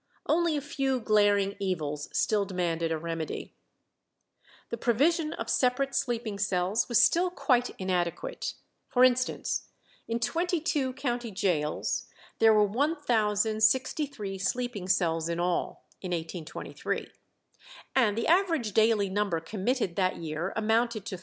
Only a few glaring evils still demanded a remedy. The provision of separate sleeping cells was still quite inadequate. For instance, in twenty two county gaols there were 1063 sleeping cells in all (in 1823), and the average daily number committed that year amounted to 3985.